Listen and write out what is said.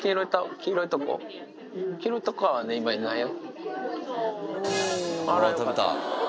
黄色いとこは今、いないよ。